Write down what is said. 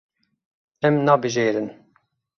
Em nabijêrin.